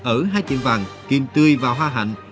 ở hai kiện vàng kim tươi và hoa hạnh